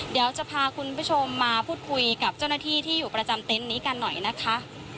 เดี๋ยวจะพาคุณผู้ชมมาพูดคุยกับเจ้าหน้าที่ที่อยู่ประจำเต็นต์นี้กันหน่อยนะคะ